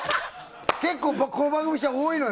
結構この番組にしては多いのよ。